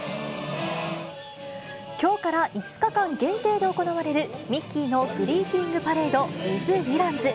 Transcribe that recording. きょうから５日間限定で行われる、ミッキーのグリーティングパレード・ウィズ・ヴィランズ。